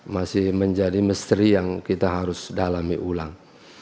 masih menjadi misteri yang kita harus dalami ulang